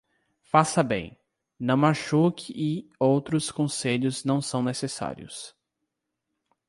Faça bem, não machuque e outros conselhos não são necessários.